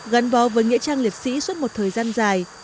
gần bò với nghĩa trang liệt sĩ suốt một thời gian dài